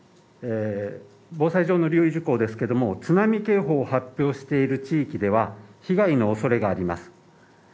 防災上の留意事項ですけども、津波警報を発表している地域では、被害の恐れがあります。